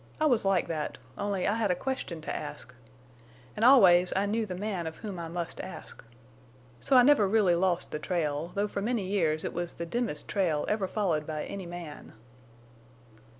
I was like that, only I had a question to ask. An' always I knew the man of whom I must ask. So I never really lost the trail, though for many years it was the dimmest trail ever followed by any man.